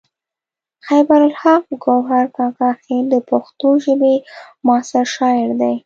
خیبر الحق ګوهر کاکا خیل د پښتو ژبې معاصر شاعر دی.